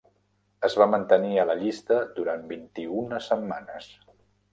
Es va mantenir a la llista durant vint-i-una setmanes.